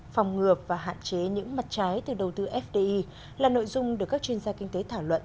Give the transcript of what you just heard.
phòng ngừa và hạn chế những mặt trái từ đầu tư fdi là nội dung được các chuyên gia kinh tế thảo luận